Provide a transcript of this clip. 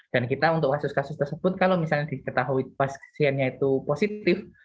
dan kita untuk kasus kasus tersebut kalau misalnya diketahui pasiennya itu positif